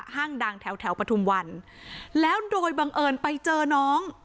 ห้างดังแถวแถวปฐุมวันแล้วโดยบังเอิญไปเจอน้อง